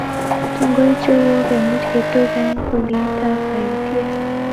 tunguichu ko kemuch ketub eng' ulietab kayutie